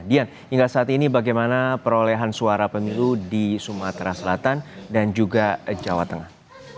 dian hingga saat ini bagaimana perolehan suara pemilu di sumatera selatan dan juga jawa tengah